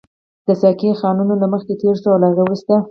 د ساقي خانو له مخې تېر شوو، له هغه وروسته.